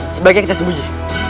sebaiknya kita sembunyi